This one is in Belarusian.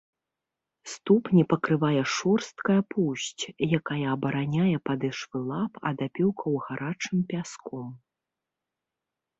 Ступні пакрывае шорсткая поўсць, якая абараняе падэшвы лап ад апёкаў гарачым пяском.